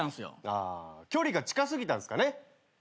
あ距離が近すぎたんすかね。